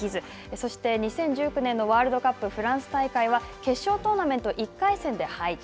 そして２０１９年のワールドカップフランス大会は決勝トーナメント、１回戦で敗退。